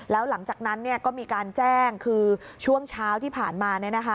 แล้วหลังจากนั้นก็มีการแจ้งคือช่วงเช้าที่ผ่านมา